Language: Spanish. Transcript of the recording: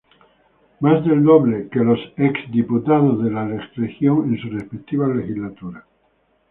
Más del doble que los ex diputados de la región en sus respectivas legislaturas.